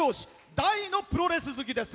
大のプロレス好きです。